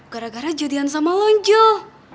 gara gara jadian sama lonjol